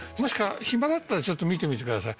暇だったらちょっと見てみてください。